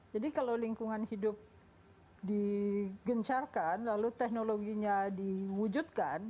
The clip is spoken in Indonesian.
jadi kalau lingkungan hidup digencarkan lalu teknologinya diwujudkan